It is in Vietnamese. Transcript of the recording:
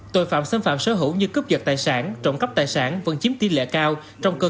tội phạm xâm phạm sở hữu như cướp giật tài sản trộm cắp tài sản vẫn chiếm tỷ lệ cao trong cơ